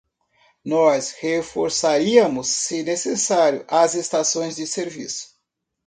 Nós reforçaríamos, se necessário, as estações de serviço.